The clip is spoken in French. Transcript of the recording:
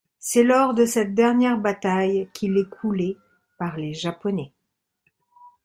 C'est lors de cette dernière bataille qu'il est coulé par les Japonais.